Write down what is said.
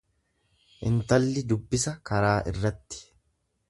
Intalli dubbisa karaa irratti.